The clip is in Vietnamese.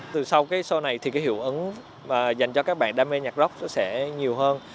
từ sau cái show này thì cái hiệu ứng dành cho các bạn đam mê nhạc rock sẽ nhiều hơn